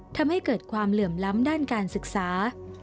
ทำให้เกิดความเหลื่อมล้ำด้านการศึกษา